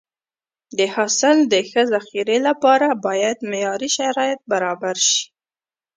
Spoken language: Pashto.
د حاصل د ښه ذخیرې لپاره باید معیاري شرایط برابر شي.